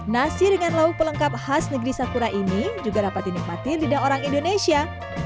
nasi dengan lauk pelengkap khas negeri sakura ini juga dapat dinikmati lidah orang indonesia